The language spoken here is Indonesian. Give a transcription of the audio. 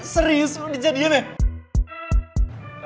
serius lo di jadian ya